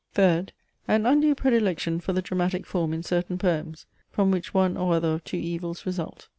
Third; an undue predilection for the dramatic form in certain poems, from which one or other of two evils result.